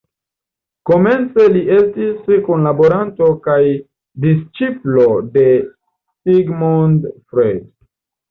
Komence li estis kunlaboranto kaj disĉiplo de Sigmund Freud.